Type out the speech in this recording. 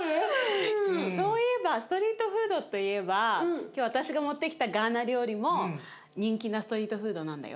そういえばストリートフードといえば今日私が持ってきたガーナ料理も人気なストリートフードなんだよ。